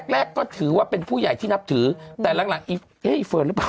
แรกก็ถือว่าเป็นผู้ใหญ่ที่นับถือแต่หลังอีฟเอ๊เฟิร์นหรือเปล่า